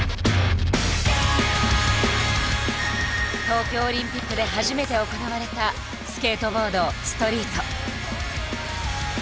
東京オリンピックで初めて行われたスケートボードストリート。